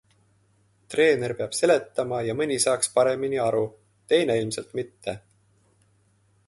Treener peab seletama ja mõni saaks paremini aru, teine ilmselt mitte.